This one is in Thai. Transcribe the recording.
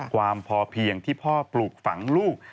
ความพอเพียงที่พ่อปลูกฝังลูก